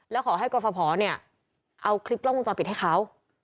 แล้วขอให้กรฟภเนี่ยเอาคลิปกล้องวงจรปิดให้เขา